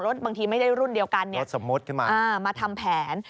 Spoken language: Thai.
บางทีไม่ได้รุ่นเดียวกันเนี่ยรถสมมุติขึ้นมามาทำแผน